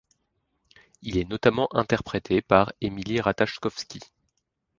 Il est notamment interprété par Emily Ratajkowski.